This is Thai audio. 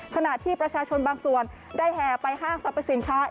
ขณะที่ประชาชนบางส่วนได้แห่ไปห้างสรรพสินค้า